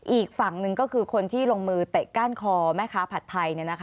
อีกฝั่งหนึ่งก็คือคนที่ลงมือเตะก้านคอแม่ค้าผัดไทย